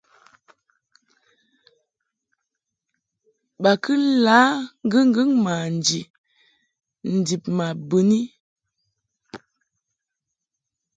Ba kɨ la ŋgɨŋgɨŋ manji ndib ma bɨni.